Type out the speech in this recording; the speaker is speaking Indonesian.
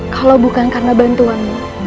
kalau bukan karena bantuamu